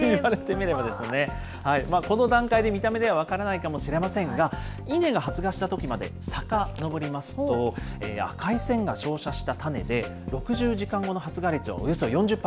この段階で見た目では分からないかもしれませんが、稲が発芽したときまでさかのぼりますと、赤い線が照射した種で、６０時間後の発芽率は、およそ４０％。